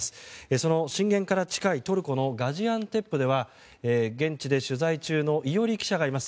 その震源から近いトルコのガジアンテップでは現地で取材中の伊従記者がいます。